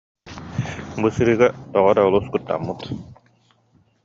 Бу сырыыга тоҕо эрэ олус куттаммыт